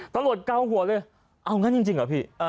ตำรวจก้าวหัวเลยเอางั้นจริงหรอพี่